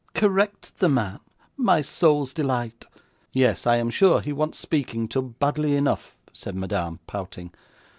'Correct the man, my soul's delight!' 'Yes; I am sure he wants speaking to, badly enough,' said Madame, pouting.